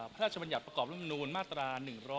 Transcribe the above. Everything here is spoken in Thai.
พระราชบัญญัติประกอบรุ่นมาตรา๑๒๘